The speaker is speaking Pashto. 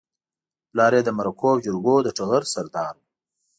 پلار يې د مرکو او جرګو د ټغر سردار و.